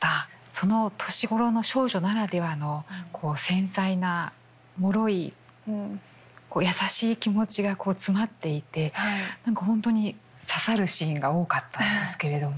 その年頃の少女ならではの繊細なもろい優しい気持ちが詰まっていて何か本当に刺さるシーンが多かったんですけれども。